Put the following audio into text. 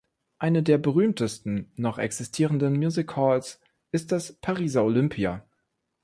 Eine der berühmtesten noch existierenden Music Halls ist das Pariser Olympia.